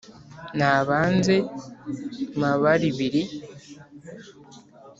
nabanze mabarabiri